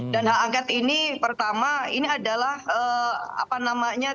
dan angket ini pertama ini adalah apa namanya